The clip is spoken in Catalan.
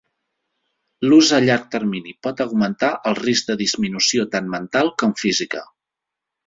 L'ús a llarg termini pot augmentar el risc de disminució tant mental com física.